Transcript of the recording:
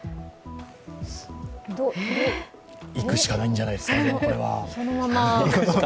行くしかないんじゃないですか？